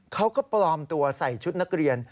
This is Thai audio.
เขาก็ปลอมตัวใส่ชุดนักเรียน